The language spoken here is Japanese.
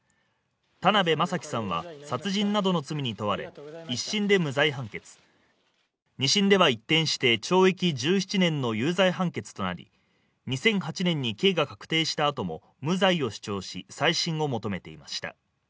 田辺雅樹さんは殺人などの罪に問われ、１審で無罪判決２審では一転して懲役１７年の有罪判決となり、２００８年に刑が確定したあとも無罪を主張し、再審を求めていました。